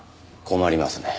困りますね。